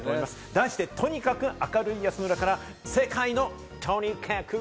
題して、とにかく明るい安村から世界のＴＯＮＩＫＡＫＵ。